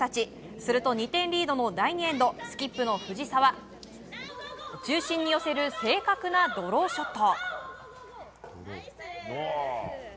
すると、２点リードの第２エンド。スキップの藤澤中心に寄せる正確なドローショット。